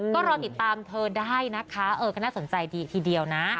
ก็รอติดตามเธอได้นะคะเออก็น่าสนใจดีทีเดียวนะ